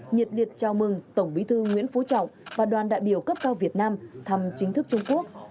nhiệt liệt chào mừng tổng bí thư nguyễn phú trọng và đoàn đại biểu cấp cao việt nam thăm chính thức trung quốc